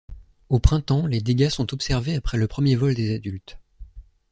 Au printemps, les dégâts sont observés après le premier vol des adultes.